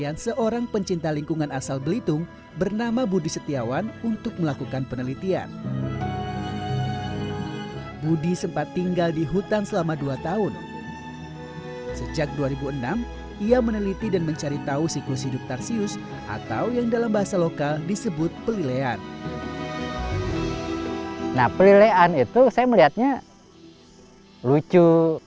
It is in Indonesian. nah pelilean itu saya melihatnya lucu unik kayak gitu